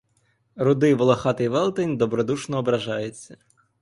Рудий волохатий велетень добродушно ображається.